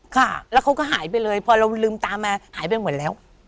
ค่ะแล้วเขาก็หายไปเลยพอเราลืมตามาหายไปหมดแล้ว